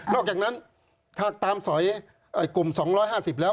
อกจากนั้นถ้าตามสอยกลุ่ม๒๕๐แล้ว